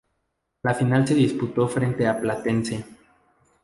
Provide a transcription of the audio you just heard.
La final se disputó frente a Platense.